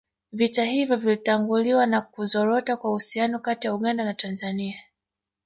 Vita hivyo vilitanguliwa na kuzorota kwa uhusiano kati ya Uganda na Tanzania